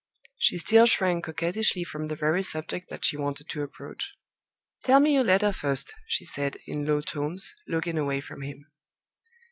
She still shrank coquettishly from the very subject that she wanted to approach. "Tell me your letter first," she said, in low tones, looking away from him.